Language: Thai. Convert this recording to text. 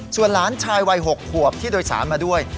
ส่วนหลานชายวัย๖ขวบที่โดยสารมาด้วย